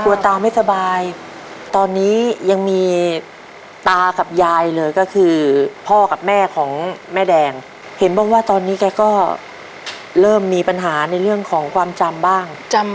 ตาไม่สบายตอนนี้ยังมีตากับยายเลยก็คือพ่อกับแม่ของแม่แดงเห็นบอกว่าตอนนี้แกก็เริ่มมีปัญหาในเรื่องของความจำบ้าง